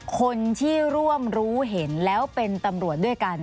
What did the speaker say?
คนที่ร่วมรู้เห็นแล้วเป็นตำรวจด้วยกัน